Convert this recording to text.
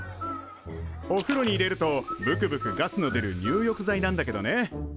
おふろに入れるとぶくぶくガスの出る入浴剤なんだけどね